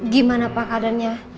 gimana pak keadaannya